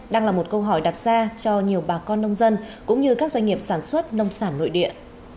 đang là một câu hỏi đặt ra cho nhiều bà con nông dân cũng như các doanh nghiệp sản xuất nông sản nội địa